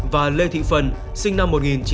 và lê thị phân sinh năm một nghìn chín trăm chín mươi tám